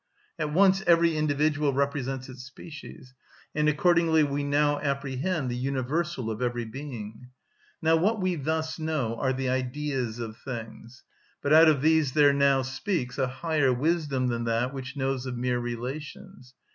At once every individual represents its species; and accordingly we now apprehend the universal of every being. Now what we thus know are the Ideas of things; but out of these there now speaks a higher wisdom than that which knows of mere relations.